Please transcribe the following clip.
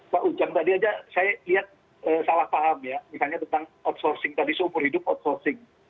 pak ujang tadi aja saya lihat salah paham ya misalnya tentang outsourcing tadi seumur hidup outsourcing